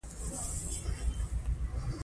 د غزني د موزیم د تاسیس سبب د آثارو زیاتیدل شول.